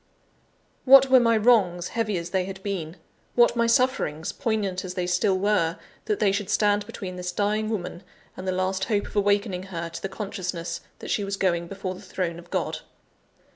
What were my wrongs, heavy as they had been; what my sufferings, poignant as they still were, that they should stand between this dying woman, and the last hope of awakening her to the consciousness that she was going before the throne of God?